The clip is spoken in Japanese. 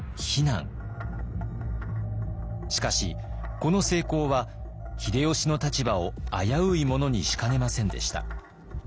しかしこの成功は秀吉の立場を危ういものにしかねませんでした。